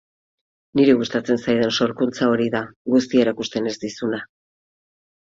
Niri gustatzen zaidan sorkuntza hori da, guztia erakusten ez dizuna.